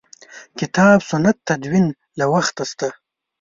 کتاب سنت تدوین له وخته شته.